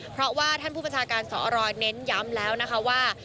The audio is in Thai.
เพราะว่าท่านผู้ประชาการสอรเน้นย้ำแล้วนะคะว่า